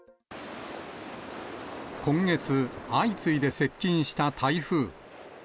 今月、相次いで接近した台風。